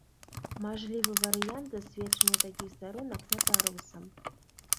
Мажлівы варыянт засведчання такіх старонак натарыусам.